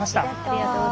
ありがとう。